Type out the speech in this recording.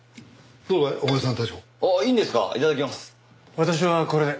私はこれで。